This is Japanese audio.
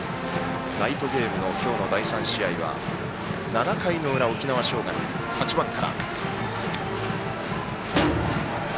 ナイトゲームの今日の第３試合は７回の裏、沖縄尚学の８番から。